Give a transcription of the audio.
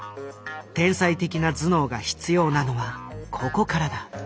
天才的な頭脳が必要なのはここからだ。